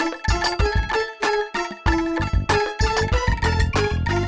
jangan sampai sampai